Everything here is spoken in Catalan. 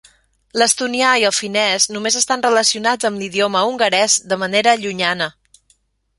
L'estonià i el finès només estan relacionats amb l'idioma hongarès de manera llunyana.